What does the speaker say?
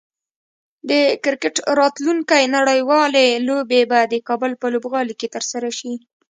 د کرکټ راتلونکی نړیوالې لوبې به د کابل په لوبغالي کې ترسره شي